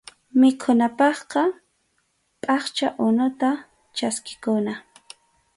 Mikhunapaqqa phaqcha unuta chaskikuna.